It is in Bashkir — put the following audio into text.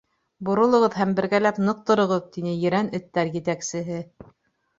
— Боролоғоҙ һәм бергәләп ныҡ тороғоҙ, — тине ерән эттәр етәксеһе.